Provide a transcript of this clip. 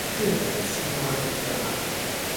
啲人係咪黐孖筋㗎